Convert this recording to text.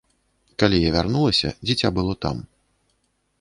Калі я вярнулася, дзіця было там.